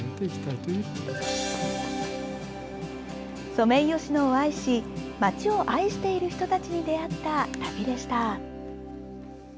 ソメイヨシノを愛し町を愛している人たちに出会った旅でした。